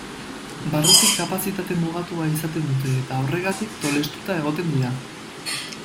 Barrutik kapazitate mugatua izaten dute eta, horregatik, tolestuta egoten dira.